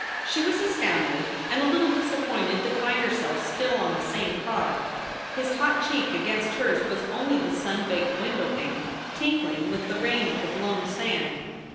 She was astounded and a little disappointed to find her self still on the same car. His hot cheek against hers was only the sun baked windowpane tinkling with the rain of the blown sand.